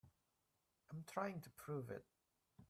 I'm trying to prove it.